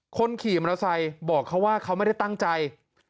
คนขี่มอเตอร์ไซค์บอกเขาว่าเขาไม่ได้ตั้งใจ